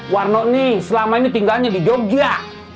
warno nih selama ini tinggalnya di jogja